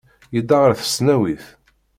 Yedda ɣer tesnawit.